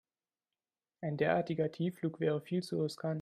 Ein derartiger Tiefflug wäre viel zu riskant.